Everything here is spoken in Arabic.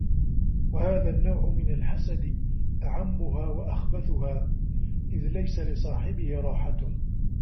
وَهَذَا النَّوْعُ مِنْ الْحَسَدِ أَعَمَّهَا وَأَخْبَثُهَا إذْ لَيْسَ لِصَاحِبِهِ رَاحَةٌ